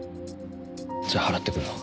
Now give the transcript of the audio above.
じゃあ払ってくるわ。